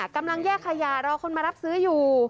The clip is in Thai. กำลังแย่ขยามารับรับซื้ออยู่